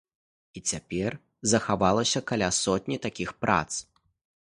І цяпер захавалася каля сотні такіх прац.